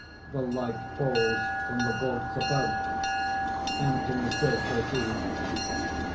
The light falls from the vaults above; Anthony still proceeds.